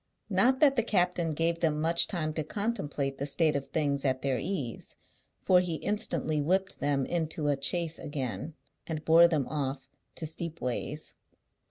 Not that the captain gave them much time to contemplate the state of things at their ease, for he instantly whipped them into a chaise again, and bore them off to Steepways.